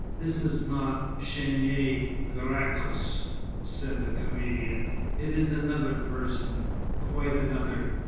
"This is not Chénier Gracchus," said the comedian; "it is another person, quite another."